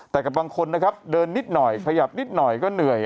แต่กับบางคนนะครับเดินนิดหน่อยขยับนิดหน่อยก็เหนื่อย